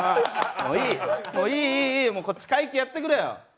もういい、もういいよこっち会計やってくれよ。